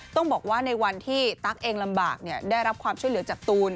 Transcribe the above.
ต้องบอกว่าในวันที่ตั๊กเองลำบากได้รับความช่วยเหลือจากตูน